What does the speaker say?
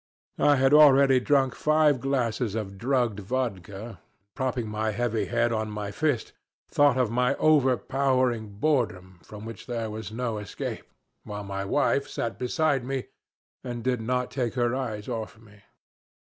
I had already drunk five glasses of drugged vodka, and, propping my heavy head on my fist, thought of my overpowering boredom from which there was no escape, while my wife sat beside me and did not take her eyes off me.